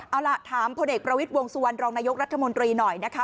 เอาล่ะถามพลเอกประวิทย์วงสุวรรณรองนายกรัฐมนตรีหน่อยนะคะ